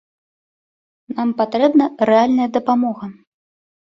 Нам патрэбна рэальная дапамога.